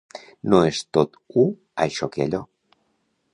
No és tot u això que allò.